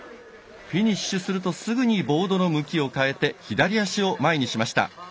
フィニッシュするとすぐにボードの向きを変えて左足を前にしました。